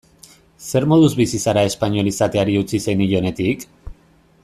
Zer moduz bizi zara espainol izateari utzi zenionetik?